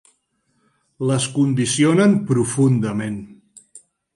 Les condicionen profundament.